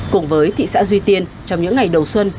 cùng với thị xã duy tiên trong những ngày đầu xuân